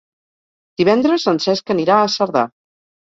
Divendres en Cesc anirà a Cerdà.